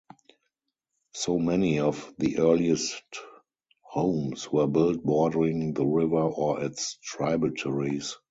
So many of the earliest homes were built bordering the river or its tributaries.